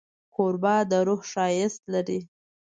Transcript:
کوربه د روح ښایست لري.